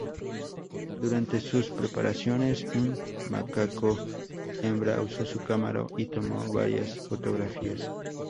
Durante sus preparaciones, un macaco hembra usó su cámara y tomó varias fotografías.